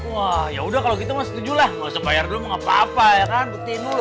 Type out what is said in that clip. wah yaudah kalau gitu mas setuju lah nggak usah bayar dulu mau apa apa ya kan buktiin dulu